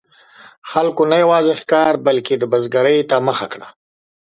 خلکو نه یوازې ښکار، بلکې د بزګرۍ ته مخه کړه.